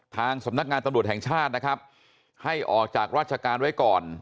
ทางสำนักงานตำรวจแห่งชาตินะครับให้ออกจากราชการไว้ก่อน